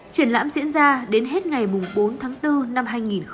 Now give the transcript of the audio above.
triển lãm diễn ra đến hết ngày bốn tháng bốn năm hai nghìn một mươi chín